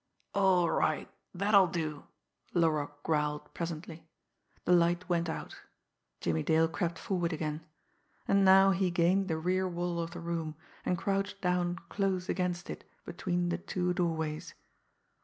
"All right! That'll do!" Laroque growled presently. The light went out. Jimmie Dale crept forward again. And now he gained the rear wall of the room, and crouched down close against it between the two doorways.